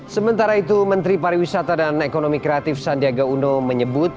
sementara itu menteri pariwisata dan ekonomi kreatif sandiaga uno menyebut